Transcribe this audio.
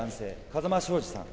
風間彰二さん。